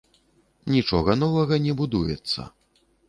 Нічога новага не будуецца.